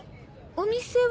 お店は？